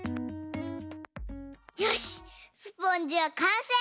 よしスポンジはかんせい！